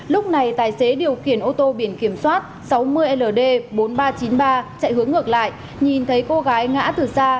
lúc này tài xế điều khiển ô tô biển kiểm soát sáu mươi ld bốn nghìn ba trăm chín mươi ba chạy hướng ngược lại nhìn thấy cô gái ngã từ xa